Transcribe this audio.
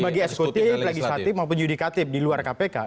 bagi eksekutif legislatif maupun yudikatif di luar kpk